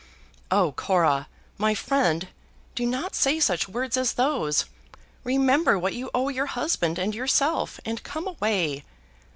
"Oh, Cora, my friend, do not say such words as those! Remember what you owe your husband and yourself, and come away."